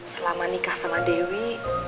selama nikah sama dewi